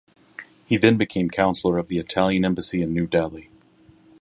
He then became Counsellor of the Italian Embassy in New Delhi.